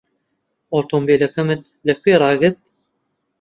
ئۆتۆمۆبیلەکەمت لەکوێ ڕاگرت؟